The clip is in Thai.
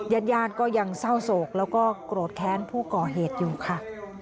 ญาติญาติก็ยังเศร้าโศกแล้วก็โกรธแค้นผู้ก่อเหตุอยู่ค่ะ